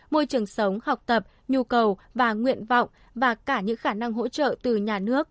môi trường sống học tập nhu cầu và nguyện vọng và cả những khả năng hỗ trợ từ nhà nước